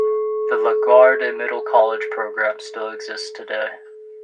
The LaGuardia Middle College Program still exists today.